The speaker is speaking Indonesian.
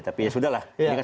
tapi ya sudah lah